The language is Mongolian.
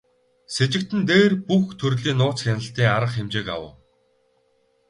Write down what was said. Сэжигтэн дээр бүх төрлийн нууц хяналтын арга хэмжээг авав.